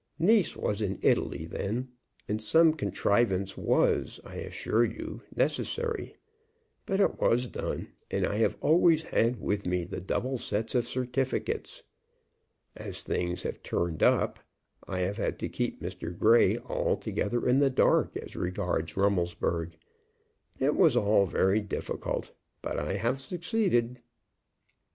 Nice was in Italy then, and some contrivance was, I assure you, necessary. But it was done, and I have always had with me the double sets of certificates. As things have turned up, I have had to keep Mr. Grey altogether in the dark as regards Rummelsburg. It was very difficult; but I have succeeded."